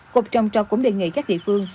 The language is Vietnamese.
cục trồng trọc cũng đề nghị các địa phương